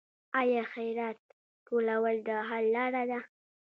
آیا خیرات ټولول د حل لاره ده؟